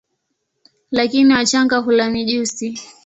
Lakini wachanga hula mijusi.